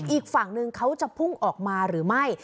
อีกฝั่งนึงเขาจะพุ่งออกมาหรือไม่